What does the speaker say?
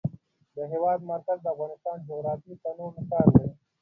د هېواد مرکز د افغانستان د جغرافیوي تنوع مثال دی.